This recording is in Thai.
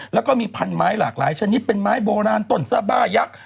แล้วก็มีพันไม้หลากหลายชนิดเป็นไม้โบราณต้นสบายักษ